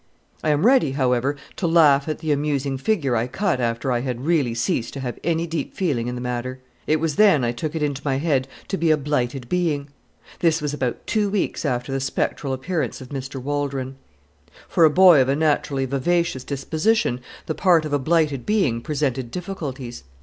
I am ready, however, to laugh at the amusing figure I cut after I had really ceased to have any deep feeling in the matter. It was then I took it into my head to be a Blighted Being. This was about two weeks after the spectral appearance of Mr. Waldron. For a boy of a naturally vivacious disposition the part of a blighted being presented difficulties.